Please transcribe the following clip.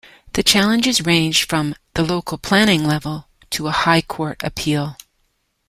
The challenges ranged from the local planning level to a High Court appeal.